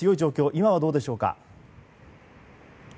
今はどうでしょうか。